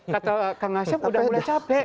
kata kang asep udah mulai capek